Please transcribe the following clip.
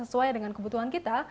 sesuai dengan kebutuhan kita